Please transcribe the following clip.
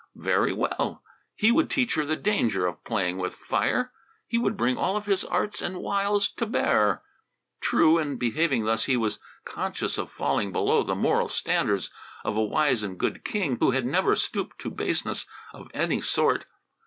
Very well! He would teach her the danger of playing with fire. He would bring all of his arts and wiles to bear. True, in behaving thus he was conscious of falling below the moral standards of a wise and good king who had never stooped to baseness of any sort.